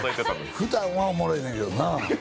ふだんは、おもろいねんけどな。